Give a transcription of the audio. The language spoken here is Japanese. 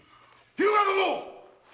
日向殿！